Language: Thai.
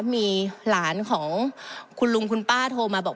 มีหลานของคุณลุงคุณป้าโทรมาบอก